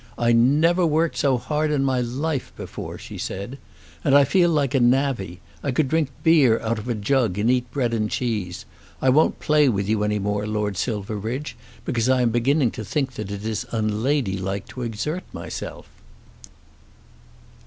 "I never worked so hard in my life before," she said. "And I feel like a navvie. I could drink beer out of a jug and eat bread and cheese. I won't play with you any more, Lord Silverbridge, because I am beginning to think it is unladylike to exert myself."